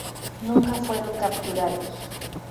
Nunca fueron capturados.